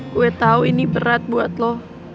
gue tahu ini berat buat lo